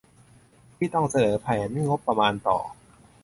ที่ต้องเสนอแผนงบประมาณต่อ